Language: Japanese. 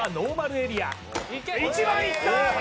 １番いった！